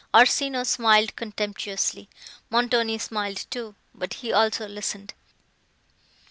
Orsino smiled contemptuously; Montoni smiled too, but he also listened.